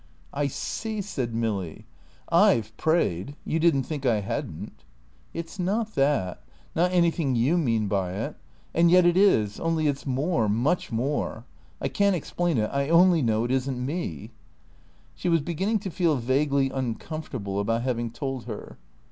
"I see," said Milly. "I've prayed. You didn't think I hadn't." "It's not that not anything you mean by it. And yet it is; only it's more, much more. I can't explain it. I only know it isn't me." She was beginning to feel vaguely uncomfortable about having told her.